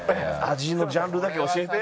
「味のジャンルだけ教えて」